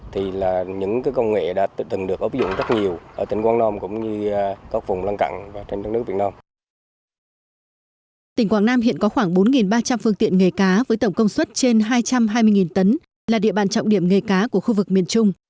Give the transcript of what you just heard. tỉnh quảng nam hiện có khoảng bốn ba trăm linh phương tiện nghề cá với tổng công suất trên hai trăm hai mươi tấn là địa bàn trọng điểm nghề cá của khu vực miền trung